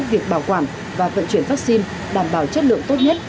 việc bảo quản và vận chuyển vaccine đảm bảo chất lượng tốt nhất